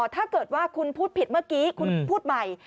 ถ้าเกิดว่าคุณพูดผิดเมื่อกี้คุณพูดใหม่